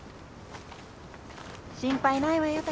心配ないわよ